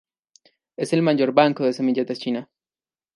Es el mayor banco de semillas de China.